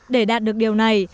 để đạt được điều này